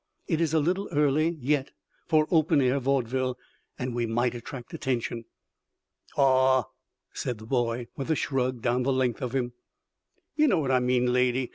It is a little early yet for open air vaudeville, and we might attract attention." "Awe," said the boy, with a shrug down the length of him, "yer know what I mean, lady.